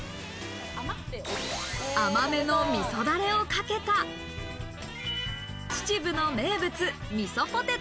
甘めの味噌ダレをかけた秩父の名物、みそポテト。